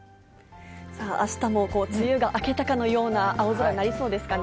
あしたも梅雨が明けたかのような青空になりそうですかね。